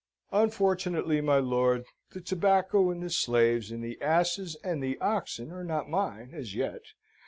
"Unfortunately, my lord, the tobacco, and the slaves, and the asses, and the oxen, are not mine, as yet.